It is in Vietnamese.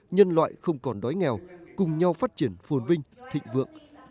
nhân loại không còn đói nghèo cùng nhau phát triển phồn vinh thịnh vượng